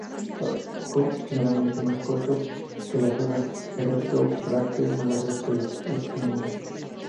Escapo generalmente más corto que las hojas, erecto; brácteas más largas que los entrenudos.